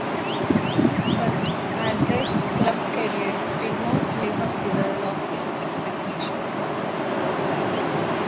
But Albright's club career did not live up to the lofty expectations.